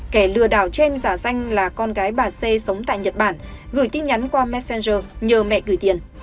kẻ lừa đảo trên giả danh là con gái bà c sống tại nhật bản gửi tin nhắn qua messenger nhờ mẹ gửi tiền